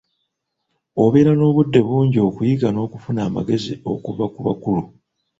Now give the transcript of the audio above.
Obeera n'obudde bungi okuyiga n'okufuna amagezi okuva ku bakulu.